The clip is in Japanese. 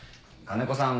金子さん